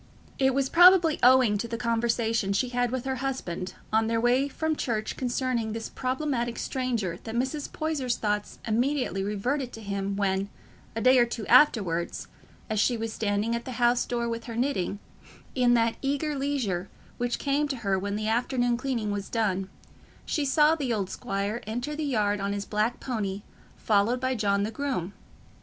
It was probably owing to the conversation she had had with her husband on their way from church concerning this problematic stranger that Mrs. Poyser's thoughts immediately reverted to him when, a day or two afterwards, as she was standing at the house door with her knitting, in that eager leisure which came to her when the afternoon cleaning was done, she saw the old squire enter the yard on his black pony, followed by John the groom.